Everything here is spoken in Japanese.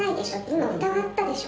今、疑ったでしょ？